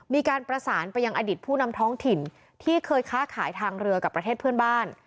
มีการประสานไปยังอดิตผู้นำท้องถิ่นที่เคยค้าขายทางเรือกับประเทศเพื่อนบ้าน